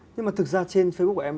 nhưng mà thực ra trên facebook của em